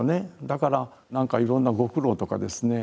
だから何かいろんなご苦労とかですね